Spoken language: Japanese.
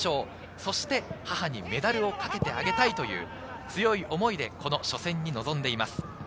そして母にメダルをかけてあげたいという強い思いでこの初戦に臨んでいます。